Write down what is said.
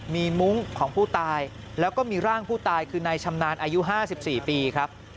มีมุ้งของผู้ตายแล้วก็มีร่างผู้ตายคือนายชำนาญอายุ๕๔ปีครับ